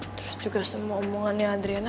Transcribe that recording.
terus juga semua omongannya adriana